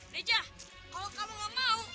dija kalau kamu gak mau